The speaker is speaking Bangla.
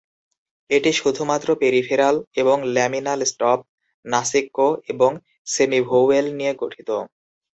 এটি শুধুমাত্র পেরিফেরাল এবং ল্যামিনাল স্টপ, নাসিক্য এবং সেমিভোওয়েল নিয়ে গঠিত।